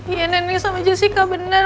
iya neneng sama jessy kan bener